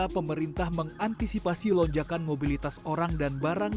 pemerintah mengantisipasi lonjakan mobilitas orang dan barang